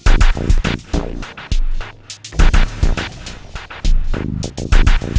kira saya yang telat ini